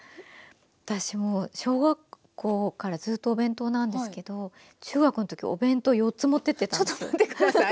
私もう小学校からずっとお弁当なんですけど中学の時お弁当４つ持ってってたんです。